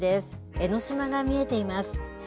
江の島が見えています。